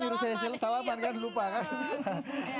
kamu kan harusnya nyuruh saya salaman kan lupa kan